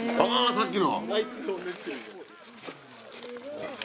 さっきの。